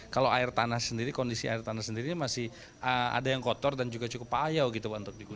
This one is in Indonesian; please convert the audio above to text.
kalau air tanah sendiri kondisi air tanah sendiri masih ada yang kotor dan juga cukup payau gitu pak